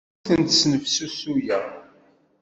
Ur tent-snefsusuyeɣ.